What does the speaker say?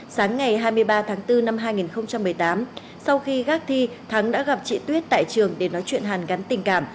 sáng ngày hai mươi ba tháng bốn năm hai nghìn một mươi tám sau khi gác thi thắng đã gặp chị tuyết tại trường để nói chuyện hàn gắn tình cảm